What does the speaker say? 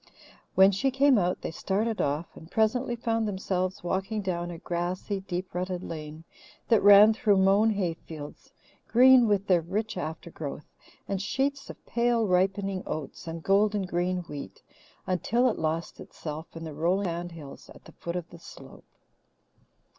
When she came out they started off, and presently found themselves walking down a grassy, deep rutted lane that ran through mown hay fields, green with their rich aftergrowth, and sheets of pale ripening oats and golden green wheat, until it lost itself in the rolling sand hills at the foot of the slope.